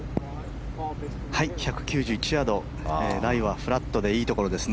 １９１ヤードライはフラットでいいところですね。